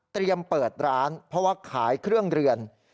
เปิดร้านเพราะว่าขายเครื่องเรือน